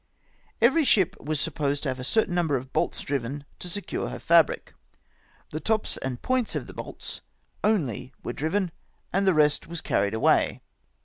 Every ship was supposed to have a certain number of bolts driven to secure her fabric. The tops and points of the bolts only were driven, and the rest was carried away.